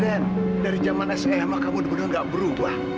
deden dari zaman sma kamu udah beneran gak berubah